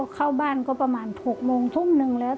เข้าบ้านก็ประมาณ๖โมงทุ่มหนึ่งแล้ว